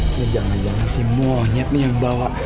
ini jangan jangan sih monyet nih yang bawa